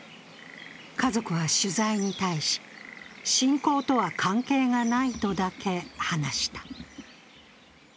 家族は取材に対し、信仰とは関係がないとだけ話した。